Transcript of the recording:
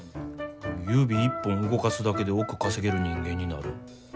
指一本動かすだけで億稼げる人間になる。